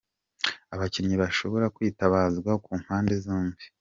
Abakinnyi bashobora kwitabazwa ku mpande zombi:.